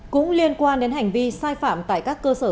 cũng liên quan đến hành vi sai phạm tại các cơ sở